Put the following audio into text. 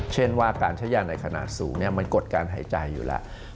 เช่นว่าการใช้ยาในขนาดสูงมันกดการหายใจอยู่แล้ว